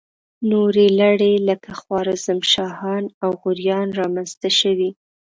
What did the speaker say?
نورې لړۍ لکه خوارزم شاهان او غوریان را منځته شوې.